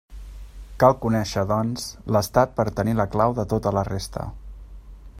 Cal conèixer, doncs, l'estat per a tenir la clau de tota la resta.